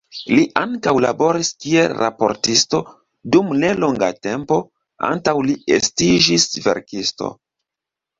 Li ankaŭ laboris kiel raportisto dum nelonga tempo antaŭ li estiĝis verkisto.